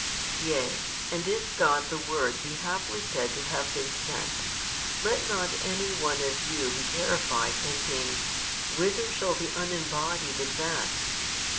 Yea and if God the Word be haply said to have been sent, let not any one of you be terrified, thinking, Whither shall the Unembodied advance?